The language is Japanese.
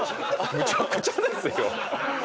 むちゃくちゃですよ！